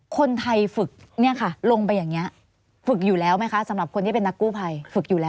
คนไทยฝึกลงไปอย่างนี้ฝึกอยู่แล้วไหมคะสำหรับคนที่เป็นนักกู้ภัย